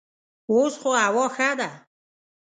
اوس خو هوا ښه ده.